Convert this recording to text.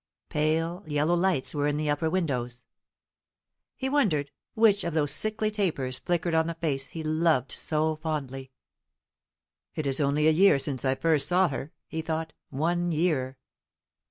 Pale yellow lights were in the upper windows. He wondered which of those sickly tapers flickered on the face he loved so fondly. "It is only a year since I first saw her," he thought: "one year!